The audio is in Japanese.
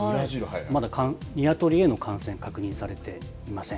まだニワトリへの感染、確認されていません。